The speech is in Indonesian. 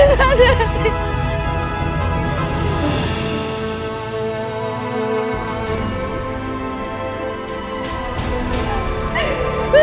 ih sah lari